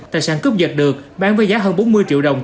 tài sản cướp giật được bán với giá hơn bốn mươi triệu đồng